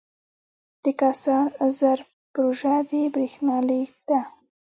د کاسا زر پروژه د بریښنا لیږد ده